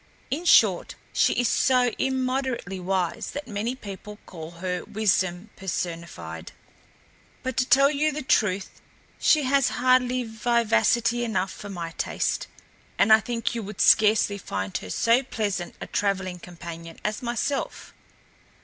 In short, she is so immoderately wise that many people call her wisdom personified. But to tell you the truth, she has hardly vivacity enough for my taste; and I think you would scarcely find her so pleasant a traveling companion as myself.